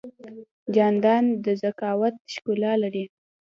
جانداد د ذکاوت ښکلا لري.